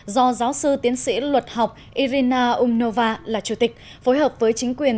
do giáo sư tiến sĩ luật học irina umnova là chủ tịch phối hợp với chính quyền